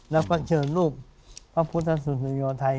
แล้วก็เชิญรูปพระพุทธสุสุยธัย